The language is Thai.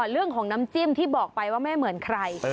เรื่องของน้ำจิ้มที่บอกไปว่าไม่เหมือนใคร